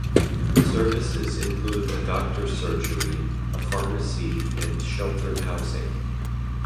Services include a doctor's surgery, a pharmacy and sheltered housing.